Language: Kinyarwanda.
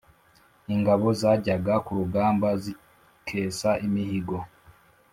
Ingabo zajyaga kurugamba zikesa imihigo